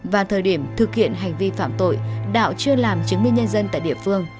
và thời điểm thực hiện hành vi phạm tội đạo chưa làm chứng minh nhân dân tại địa phương